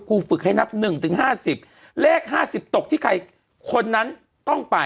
ฝึกให้นับ๑๕๐เลข๕๐ตกที่ใครคนนั้นต้องไป